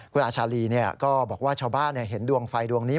คุณอาชาลีก็บอกว่าชาวบ้านเห็นดวงไฟดวงนี้